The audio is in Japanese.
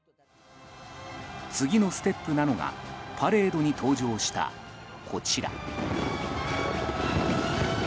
次のステップなのがパレードに登場した、こちら。